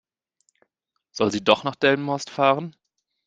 Soll sie doch nach Delmenhorst fahren?